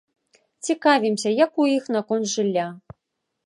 Цікавімся, як у іх наконт жылля.